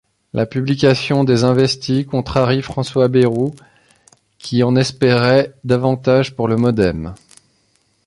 La publication des investis contrarie François Bayrou, qui en espérait davantage pour le MoDem.